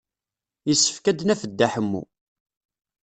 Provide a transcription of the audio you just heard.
Yessefk ad d-naf Dda Ḥemmu.